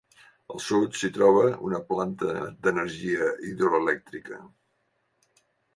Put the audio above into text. Al sud s'hi troba una planta d'energia hidroelèctrica.